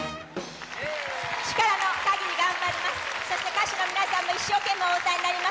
力の限り頑張ります。